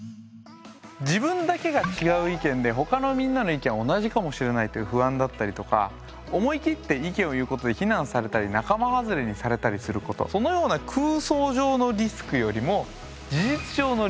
自分だけが違う意見で他のみんなの意見は同じかもしれないという不安だったりとか思い切って意見を言うことで非難されたり仲間外れにされたりすることそのような「空想上のリスク」よりも「事実上のリスク」